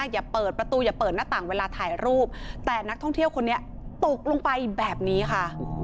อย่าเปิดประตูอย่าเปิดหน้าต่างเวลาถ่ายรูปแต่นักท่องเที่ยวคนนี้ตกลงไปแบบนี้ค่ะ